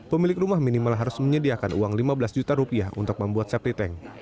pemilik rumah minimal harus menyediakan uang lima belas juta rupiah untuk membuat septi tank